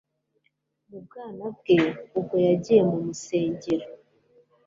Mu bwana bwe, ubwo yagiye mu msengero,